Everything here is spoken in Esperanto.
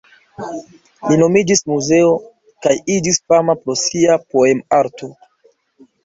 Li nomiĝis Muzeo, kaj iĝis fama pro sia poem-arto.